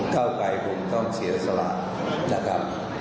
เก้าไกรคงต้องเสียสละนะครับ